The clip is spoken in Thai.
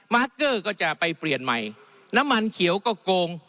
ร์เกอร์ก็จะไปเปลี่ยนใหม่น้ำมันเขียวก็โกง